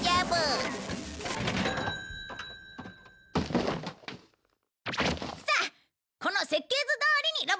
さあこの設計図どおりにロボットを作ってみて！